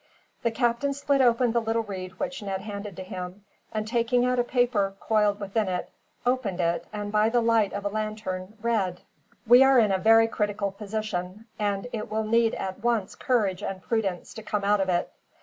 The captain split open the little reed which Ned handed to him, and taking out a paper coiled within it, opened it, and by the light of a lantern read: "We are in a very critical position, and it will need at once courage and prudence to come out of it.